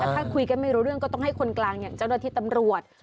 แต่ถ้าคุยกันไม่รู้เรื่องก็ต้องให้คนกลางอย่างเจ้าหน้าที่ตำรวจ